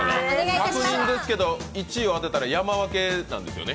確認ですけど、１位を当てたら山分けなんですよね？